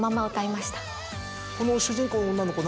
この主人公の女の子